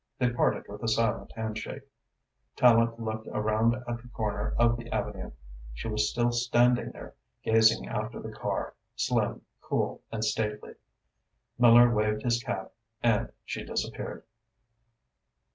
They parted with a silent handshake. Tallente looked around at the corner of the avenue. She was still standing there, gazing after the car, slim, cool and stately. Miller waved his cap and she disappeared.